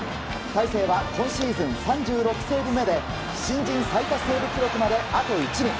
大勢は今シーズン、３６セーブ目で新人最多セーブ記録まであと１に。